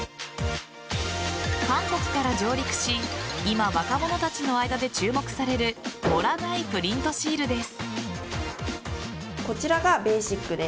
韓国から上陸し今、若者たちの間で注目される盛らないプリントシールです。